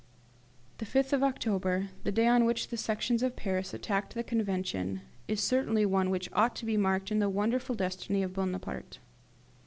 The 5th of October, the day on which the Sections of Paris attacked the Convention, is certainly one which ought to be marked in the wonderful destiny of Bonaparte.